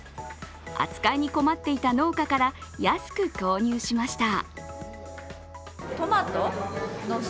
扱いに困っていた農家から安く購入しました。